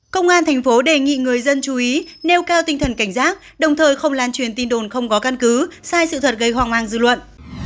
công an thành phố đề nghị người dân chú ý nêu cao tinh thần cảnh giác đồng thời không lan truyền tin đồn không có căn cứ sai sự thật gây hoang mang dư luận